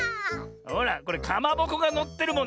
ほらこれかまぼこがのってるもんね。